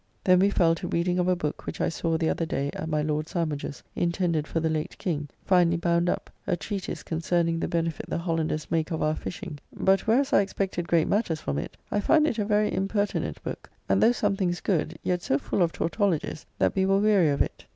Then we fell to reading of a book which I saw the other day at my Lord Sandwich's, intended for the late King, finely bound up, a treatise concerning the benefit the Hollanders make of our fishing, but whereas I expected great matters from it, I find it a very impertinent [book], and though some things good, yet so full of tautologies, that we were weary of it.